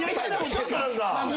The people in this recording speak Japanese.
ちょっと何か。